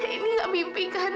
ini gak mimpi kan